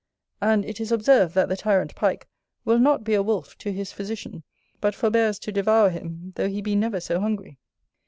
And it is observed that the tyrant Pike will not be a wolf to his physician, but forbears to devour him though he be never so hungry.